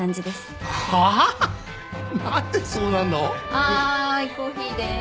はいコーヒーです。